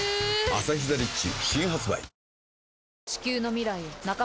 「アサヒザ・リッチ」